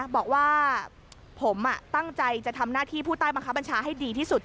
บอกว่าผมตั้งใจจะทำหน้าที่ผู้ใต้บังคับบัญชาให้ดีที่สุด